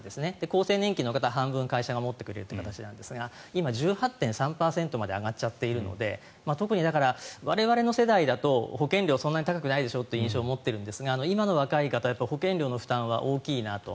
厚生年金の方は半分会社が持ってくれる形ですが今、１８．３％まで上がっちゃっているので特に我々の世代だと保険料そんなに高くないでしょという印象を持っているんですが今の若い方は保険料の負担が大きいなと。